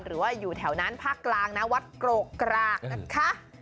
หรือว่าอยู่แถวนั้นภาคกลางนะวัดกรกกรากนะคะ